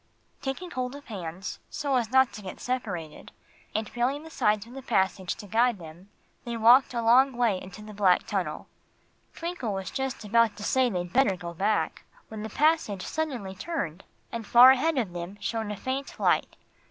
Taking hold of hands, so as not to get separated, and feeling the sides of the passage to guide them, they walked a long way into the black tunnel. Twinkle was just about to say they'd better go back, when the passage suddenly turned, and far ahead of them shone a faint light.